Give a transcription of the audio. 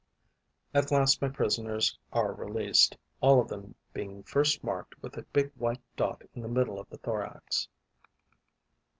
At last my prisoners are released, all of them being first marked with a big white dot in the middle of the thorax.